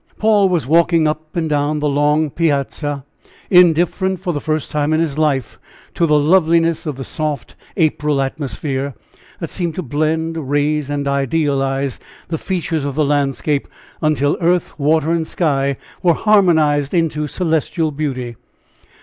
Paul was walking up and down the long piazza, indifferent for the first time in his life to the loveliness of the soft April atmosphere, that seemed to blend, raise and idealize the features of the landscape until earth, water and sky were harmonized into celestial beauty.